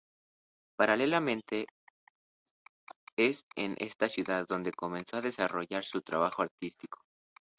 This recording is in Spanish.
Paralelamente, es en esta ciudad donde comenzó a desarrollar su trabajo artístico.